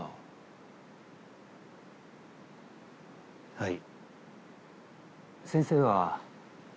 はい。